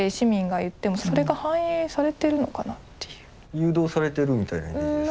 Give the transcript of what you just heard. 誘導されてるみたいなイメージですか？